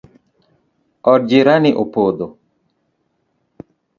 Od jirani opodho